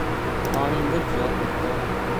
پانی مُچ زور کو تھو